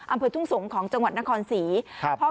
อำเภอทุ่งสงศ์ของจังหวัดนครศรีครับ